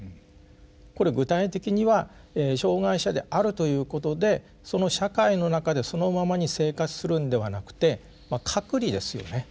これ具体的には障害者であるということでその社会の中でそのままに生活するんではなくて隔離ですよね。